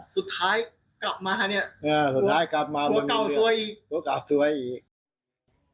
สุดท้ายกลับมาตัวเก่าสวยอีก